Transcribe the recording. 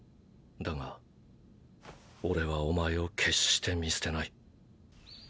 だが俺はお前を決して見捨てない。